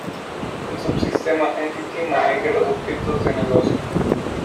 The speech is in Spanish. El subsistema entity maneja los objetos de negocio.